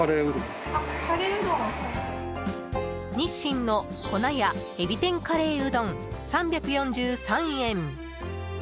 日清の古奈屋えび天カレーうどん、３４３円。